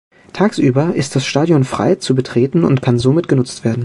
Tagsüber ist das Stadion frei zu betreten und kann somit genutzt werden.